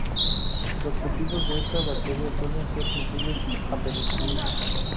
Los cultivos de esta bacteria suelen ser sensibles a penicilina.